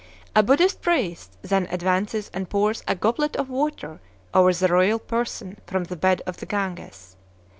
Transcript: A Buddhist priest then advances and pours a goblet of water over the royal person from the bed of the Ganges.